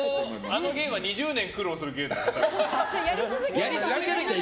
あの芸は２０年苦労する芸ですね。